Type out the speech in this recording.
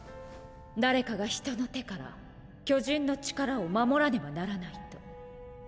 誰かが人の手から巨人の力を守らねばならないと。